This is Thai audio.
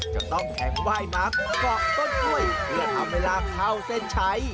จะต้องแข่งไหว้มักเกาะต้นกล้วยเพื่อทำให้ลากเข้าเส้นชัย